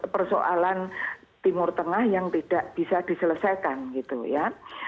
persoalan timur tengah yang tidak bisa diselesaikan gitu ya